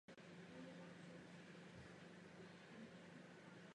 Košice.